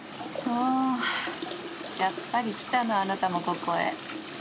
そうやっぱり来たのあなたもここへ。